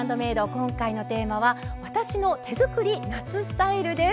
今回のテーマは「私の手作り夏スタイル」です。